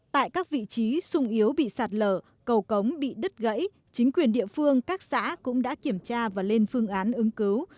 tại các vị trí sung yếu bị sạt lở cầu cống bị đứt gãy chính quyền địa phương các xã cũng đã kiểm tra và lên phương án ứng cứu